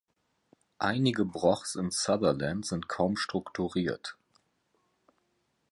Einige Brochs in Sutherland sind kaum strukturiert.